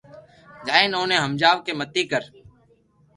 جائين اوني ھمجاوُ ڪي متي ڪر